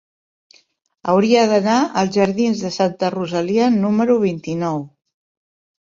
Hauria d'anar als jardins de Santa Rosalia número vint-i-nou.